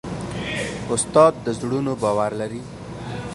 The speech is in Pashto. استاد د زړونو باور لري.